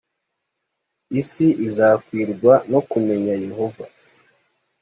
isi izakwirwa no kumenya yehova